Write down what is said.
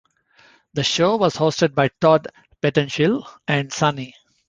The show was hosted by Todd Pettengill and Sunny.